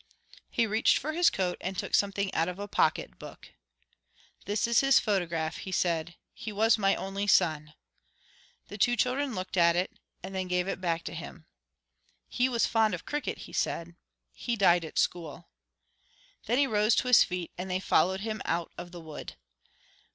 He reached for his coat and took something out of a pocket book. "This is his photograph," he said. "He was my only son." The two children looked at it, and then gave it back to him. "He was fond of cricket," he said. "He died at school." Then he rose to his feet, and they followed him out of the wood.